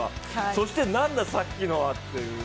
そして何だ、さっきのはという。